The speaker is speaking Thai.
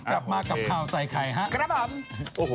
อ่ะกลับมากับข้าวใส่ไข่ฮะครับผมโอ้โฮ